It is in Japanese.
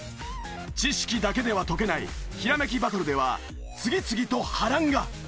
知識だけでは解けないひらめきバトルでは次々と波乱が！